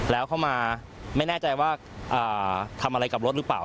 แล้วเข้ามาไม่แน่ใจว่าทำอะไรกับรถหรือเปล่า